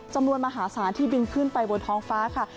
จำนวนมหาศาลที่บินขึ้นไปบนท้องฟ้าค่ะ